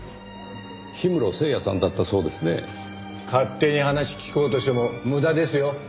勝手に話聞こうとしても無駄ですよ。